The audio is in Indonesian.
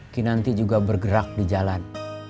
kinanti juga bergerak di jalan